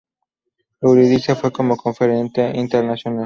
Eurídice fue como conferenciante internacional.